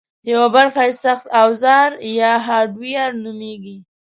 یوه برخه یې سخت اوزار یا هارډویر نومېږي